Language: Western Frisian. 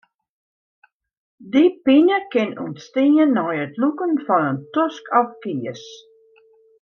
Dy pine kin ûntstean nei it lûken fan in tosk of kies.